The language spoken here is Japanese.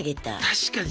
確かに。